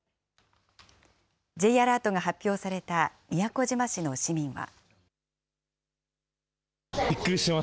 Ｊアラートが発表された宮古島市の市民は。